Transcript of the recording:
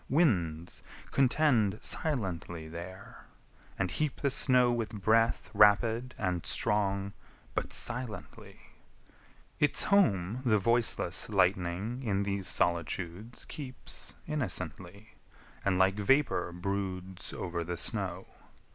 Winds contend Silently there, and heap the snow with breath Rapid and strong, but silently! Its home The voiceless lightning in these solitudes Keeps innocently, and like vapour broods Over the snow.